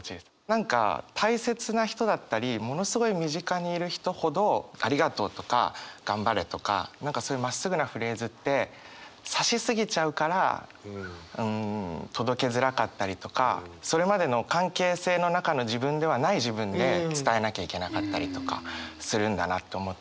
何か大切な人だったりものすごい身近にいる人ほど「ありがとう」とか「頑張れ」とかそういうまっすぐなフレーズってそれまでの関係性の中の自分ではない自分で伝えなきゃいけなかったりとかするんだなと思って。